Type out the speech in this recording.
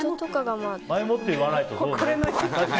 前もって言わないと。